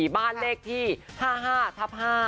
บ้านเลขที่๕๕ทับ๕